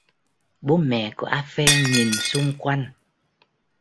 Bố mẹ của A Pheng nhìn xung quanh